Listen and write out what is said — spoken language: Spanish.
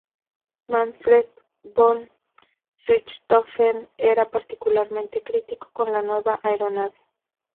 Manfred von Richthofen era particularmente crítico con la nueva aeronave.